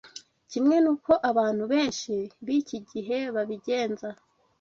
kimwe n’uko abantu benshi b’iki gihe babigenza,